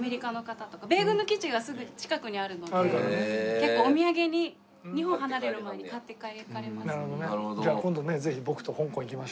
結構お土産に日本離れる前に買っていかれますね。